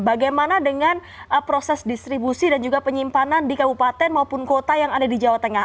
bagaimana dengan proses distribusi dan juga penyimpanan di kabupaten jawa tengah